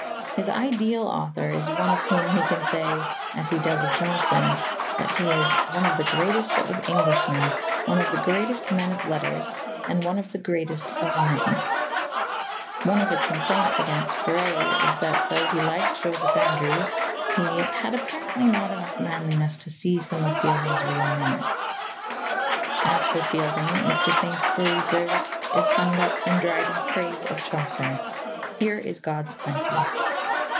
His ideal author is one of whom he can say, as he does of Johnson, that he is "one of the greatest of Englishmen, one of the greatest men of letters, and one of the greatest of men." One of his complaints against Gray is that, though he liked Joseph Andrews, he "had apparently not enough manliness to see some of Fielding's real merits." As for Fielding, Mr. Saintsbury's verdict is summed up in Dryden's praise of Chaucer. "Here is God's plenty."